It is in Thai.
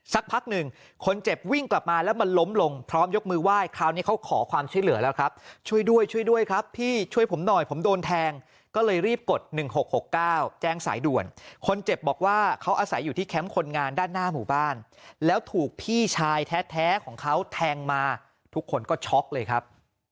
สักพักหนึ่งคนเจ็บวิ่งกลับมาแล้วมันล้มลงพร้อมยกมือไหว้คราวนี้เขาขอความช่วยเหลือแล้วครับช่วยด้วยช่วยด้วยครับพี่ช่วยผมหน่อยผมโดนแทงก็เลยรีบกด๑๖๖๙แจ้งสายด่วนคนเจ็บบอกว่าเขาอาศัยอยู่ที่แคมป์คนงานด้านหน้าหมู่บ้านแล้วถูกพี่ชายแท้ของเขาแทงมาทุกคนก็ช็อกเลยครับ